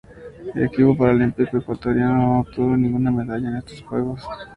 El equipo paralímpico ecuatoriano no obtuvo ninguna medalla en estos Juegos.